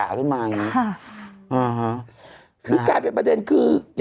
คือเป็นประเด็นคือ